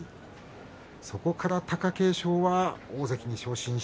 そこから貴景勝は大関に昇進。